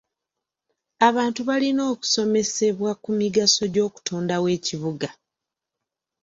Abantu balina okusomesebwa ku migaso gy'okutondawo ekibuga.